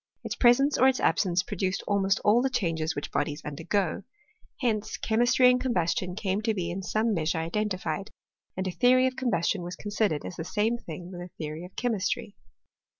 Its presence or its absence produced almost all the changes which bodies undergo. Hence chemistry and combustion came to be in some measure identified, and a theory of combustion was considered Sis the same thing with a theory of chemistry.